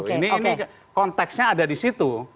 ini konteksnya ada di situ